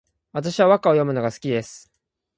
私は和歌を詠むのが好きです